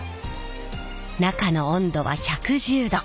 中の温度は１１０℃。